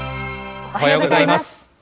おはようございます。